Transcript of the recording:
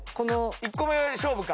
１個目勝負か。